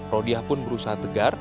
rodiah pun berusaha tegar